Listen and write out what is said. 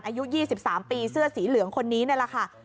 อายุยี่สิบสามปีเสื้อสีเหลืองคนนี้เนี้ยล่ะค่ะ